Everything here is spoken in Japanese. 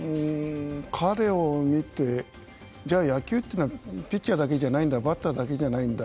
彼を見てじゃあ野球っていうのはピッチャーだけじゃないんだバッターだけじゃないんだ